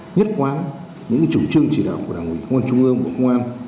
nhất quán những chủ trương chỉ đạo của đảng ủy công an trung ương bộ công an